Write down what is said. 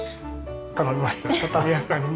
頼みました畳屋さんに。